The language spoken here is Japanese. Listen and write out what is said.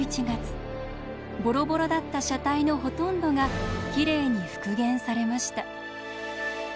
ボロボロだった車体のほとんどがきれいに復元されました。